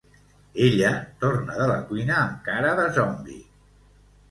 Ella torna de la cuina amb cara de zombi.